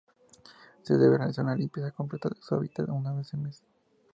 Se debe realizar una limpieza completa de su hábitat una vez por mes.